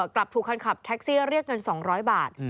กลับถูกคนขับแท็กซี่เรียกเงิน๒๐๐บาท